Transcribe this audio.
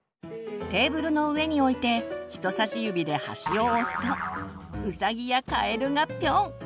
テーブルの上に置いて人さし指で端を押すとウサギやカエルがぴょん！